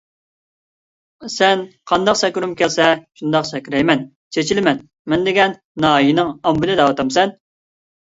سەن قانداق سەكرىگۈم كەلسە شۇنداق سەكرەيمەن، چېچىلىمەن، مەن دېگەن ناھىيىنىڭ ئامبىلى دەۋاتامسەن؟!